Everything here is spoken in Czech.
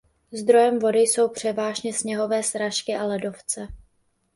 Zdrojem vody jsou převážně sněhové srážky a ledovce.